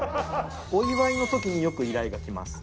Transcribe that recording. お祝いの時によく依頼が来ます。